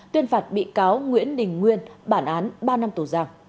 tuyên phạt bị cáo nguyễn đình nguyên bản án ba năm tù giam